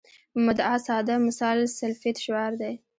مدعا ساده مثال سلفیت شعار دی.